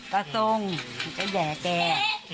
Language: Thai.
ตาตรงแก่แห่แก่